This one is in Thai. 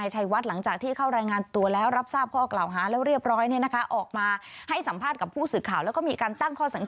เร็วจังเสร็จภายใน๖เดือน